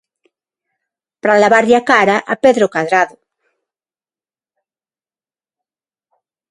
Para lavarlle a cara a Pedro Cadrado.